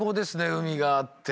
海があって。